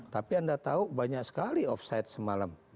tapi anda tahu banyak sekali offside semalam